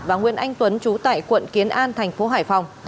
và nguyễn anh tuấn trú tại quận kiến an thành phố hải phòng